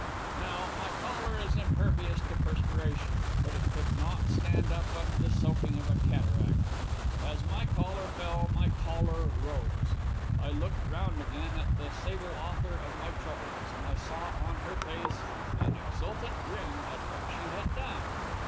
Now, my collar is impervious to perspiration, but it could not stand up under the soaking of a cataract; as my collar fell my choler rose; I looked around at the sable author of my troubles, and I saw on her face an exultant grin at what she had done.